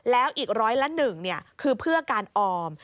แล้วอีกร้อยละ๑คือเพื่อการออม